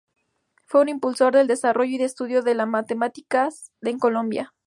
Fue un impulsor del desarrollo y estudio de la matemática en Colombia.